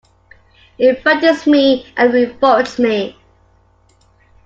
It frightens me and it revolts me.